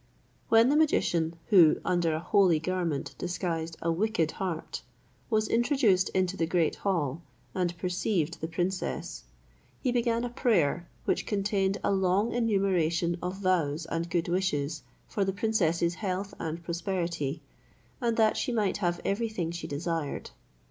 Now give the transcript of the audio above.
When the magician, who under a holy garment disguised a wicked heart, was introduced into the great hall, and perceived the princess, he began a prayer, which contained a long enumeration of vows and good wishes for the princess's health and prosperity, and that she might have every thing she desired.